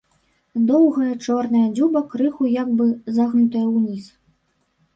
Доўгая чорная дзюба крыху як бы загнутая ўніз.